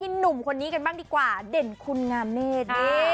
หนุ่มคนนี้กันบ้างดีกว่าเด่นคุณงามเนธ